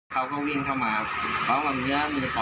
เขาก็วิ่งเข้ามาพร้อมเราเนี้ยมีต่ออีกผม